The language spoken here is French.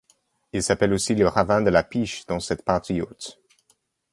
Il s'appelle aussi le ravin de la Piche dans cette partie haute.